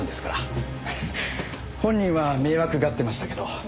本人は迷惑がってましたけど。